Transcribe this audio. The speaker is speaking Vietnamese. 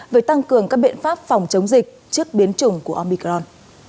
về tăng cường các biện pháp phòng chống dịch trước biến chủng của omicron